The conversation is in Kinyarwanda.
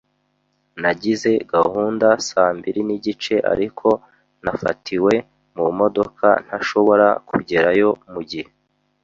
Nagize gahunda saa mbiri nigice, ariko nafatiwe mumodoka ntashobora kugerayo mugihe.